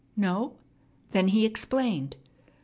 No? Then he explained.